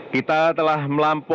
kita telah melampaui